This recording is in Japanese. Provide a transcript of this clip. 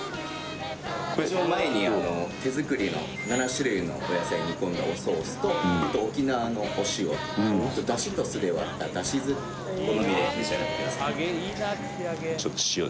これ一応前にあの手作りの７種類のお野菜を煮込んだおソースとあと沖縄のお塩出汁と酢で割った出汁酢お好みで召し上がってください